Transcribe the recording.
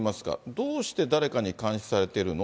どうして誰かに監視されてるの？